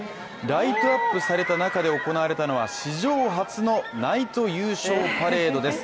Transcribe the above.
ライトアップされた中で行われたのは史上初のナイト優勝パレードです。